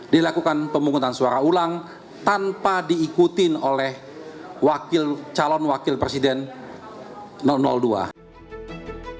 dilakukan pemungutan suara ulang tanpa diikutin oleh calon wakil presiden dua ribu